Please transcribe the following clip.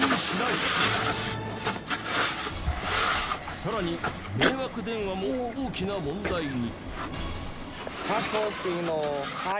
さらに迷惑電話も大きな問題に。